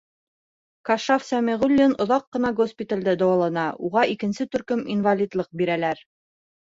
Кашшаф Сәмиғуллин оҙаҡ ҡына госпиталдә дауалана, уға икенсе төркөм инвалидлыҡ бирәләр.